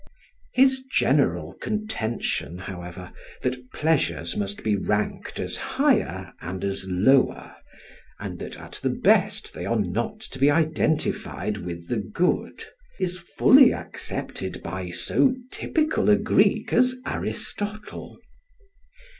His general contention, however, that pleasures must be ranked as higher and as lower, and that at the best they are not to be identified with the Good, is fully accepted by so typical a Greek as Aristotle.